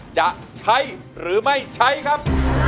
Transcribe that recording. จะใช้หรือไม่ใช้ครับ